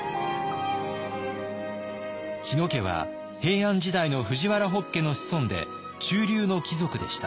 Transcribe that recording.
日野家は平安時代の藤原北家の子孫で中流の貴族でした。